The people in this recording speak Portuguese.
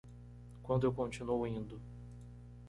Quando eu continuo indo